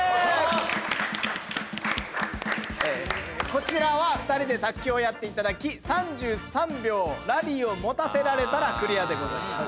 こちらは２人で卓球をやっていただき３３秒ラリーを持たせられたらクリアでございます。